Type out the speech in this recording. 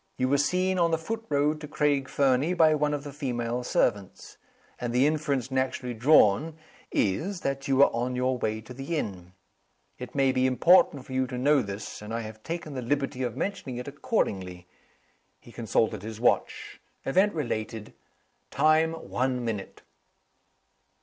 You were seen on the foot road to Craig Fernie by one of the female servants. And the inference naturally drawn is, that you were on your way to the inn. It may be important for you to know this; and I have taken the liberty of mentioning it accordingly." He consulted his watch. "Event related. Time, one minute."